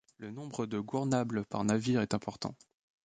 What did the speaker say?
Le nombre de gournables par navire est important.